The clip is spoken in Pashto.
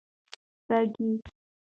سږی